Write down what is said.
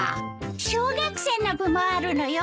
小学生の部もあるのよ。